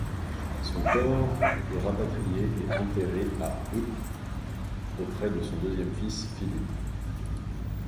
Son corps est rapatrié et enterré à Eu auprès de son deuxième fils, Philippe.